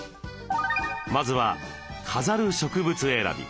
まずは飾る植物選び。